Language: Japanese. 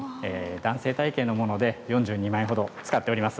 男性体型のもので４２枚ほどを使っております。